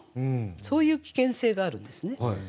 そういう危険性があるんですね。